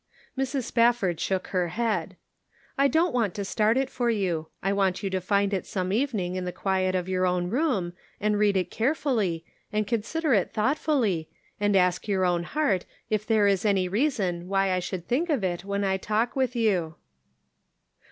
Mrs. Spafford shook her head. " I don't want to start it for you. I want you to find it some evening in the quiet of your own room, and read it carefully, and consider it thoughtfully, and ask your own heart if there is any reason why I should think of it when I talk with you."